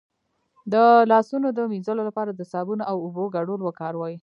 د لاسونو د مینځلو لپاره د صابون او اوبو ګډول وکاروئ